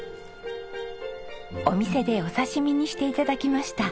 お店でお刺し身にして頂きました。